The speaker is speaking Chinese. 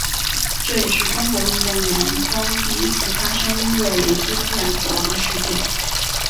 这也是中国运动员中第一次发生因为雷击突然死亡的事件。